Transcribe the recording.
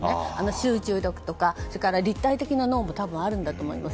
集中力とかそれから立体的な脳も多分あるんだと思います。